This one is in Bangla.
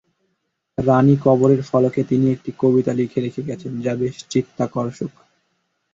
রাণীর কবরের ফলকে তিনি একটি কবিতা লিখে রেখে গেছেন যা বেশ চিত্তাকর্ষক!